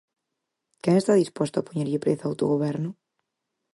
¿Quen está disposto a poñerlle prezo ao autogoberno?